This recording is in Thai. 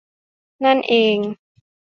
นั่นเอง